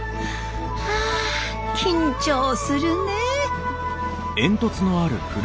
はあ緊張するね。